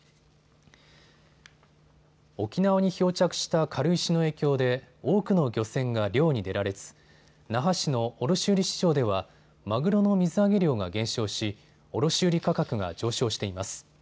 沖縄に漂着した軽石の影響で多くの漁船が漁に出られず那覇市の卸売市場ではマグロの水揚げ量が減少し卸売価格が上昇しています。